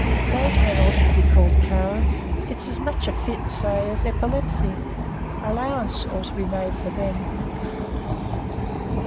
Those men oughtn't to be called cowards. It's as much a fit, say, as epilepsy. Allowances ought to made for them."